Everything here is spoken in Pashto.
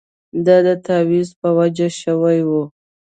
دا د تاویز په وجه شوې وه.